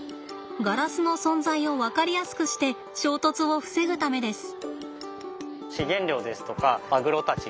ガラスの存在を分かりやすくして衝突を防ぐためです。